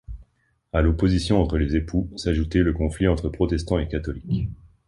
À l'opposition entre les époux s'ajoutait le conflit entre protestants et catholiques.